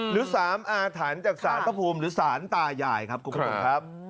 หรือ๓อาถรรพ์จากศาลพระภูมิหรือสารตายายครับคุณผู้ชมครับ